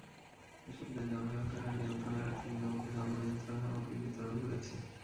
এসব দেশ জনসংখ্যার হার নিয়ন্ত্রণে রাখতে বিনা মূল্যে জন্মনিয়ন্ত্রণ সামগ্রী বিতরণ করেছে।